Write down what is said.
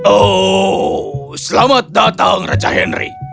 oh selamat datang raja henry